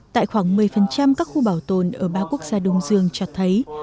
tại khoảng một mươi các khu bảo tồn ở ba quốc gia đông dương cho thấy